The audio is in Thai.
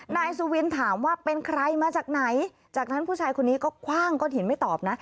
นายสุวินถามว่าเป็นใครมาจากไหนจากนั้นผู้ชายคนนี้ก็คว่างก้อนหินไม่ตอบนะ